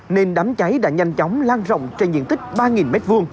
nên đám cháy đã nhanh chóng lan rộng trên diện tích ba m hai